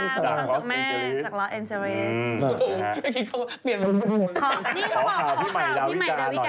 ขอข่าวขอข่าวพี่ใหม่เดาวิจารณ์หน่อย